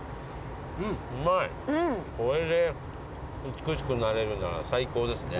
美しくなれるなら最高ですね。